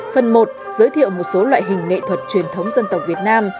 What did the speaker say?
phần một giới thiệu một số loại hình nghệ thuật truyền thống dân tộc việt nam